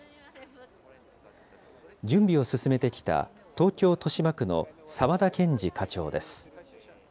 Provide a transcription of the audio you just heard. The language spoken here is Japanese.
準備を進めてきた、東京・豊島区の澤田健司課長です。